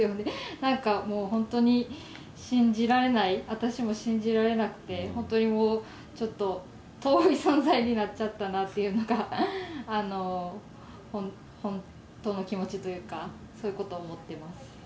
なんかもう本当に信じられない、私も信じられなくて、本当にもう遠い存在になっちゃったなっていうのが、本当の気持ちというか、そういうことになってます。